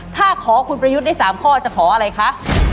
ถ้าขอคุณประยุทธ์ได้๓ข้อจะขออะไรคะ